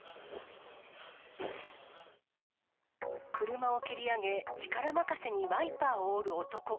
車を蹴り上げ、力任せにワイパーを折る男。